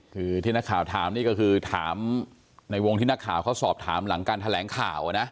คือที่นักข่าวถามนี่ก็คือถามในวงที่นักข่าวเขาสอบถามหลังการแถลงข่าวนะ